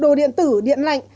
đồ điện tử điện lạnh